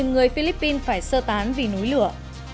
sáu mươi một người philippines phải sơ tán vì núi lửa